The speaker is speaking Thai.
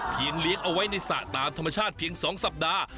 เลี้ยงเอาไว้ในสระตามธรรมชาติเพียง๒สัปดาห์